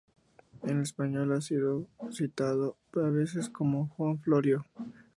En español ha sido citado a veces como: Juan Florio.